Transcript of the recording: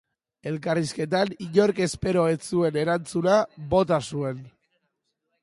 Elkarrizketan inork espero ez zuen erantzuna bota zuen.